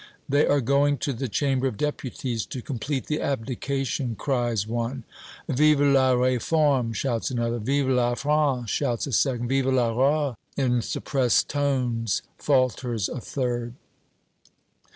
"They are going to the Chamber of Deputies to complete the abdication!" cries one. "Vive la Réforme!" shouts another. "Vive la France!" shouts a second. "Vive le Roi!" in suppressed tones falters a third.